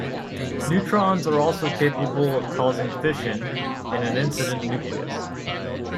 Neutrons are also capable of causing fission in an incident nucleus.